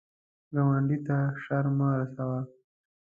ګاونډي ته شر مه رسوه